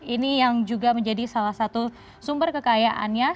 ini yang juga menjadi salah satu sumber kekayaannya